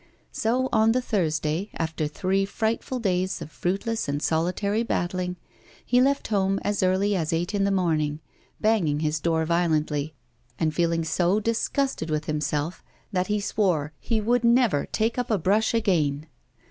So on the Thursday, after three frightful days of fruitless and solitary battling, he left home as early as eight in the morning, banging his door violently, and feeling so disgusted with himself that he swore he would never take up a brush again.